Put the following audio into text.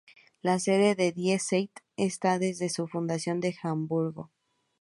La sede de "Die Zeit" está desde su fundación en Hamburgo.